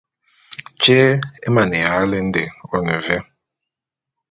Tyé émaneya ya lende, one vé ?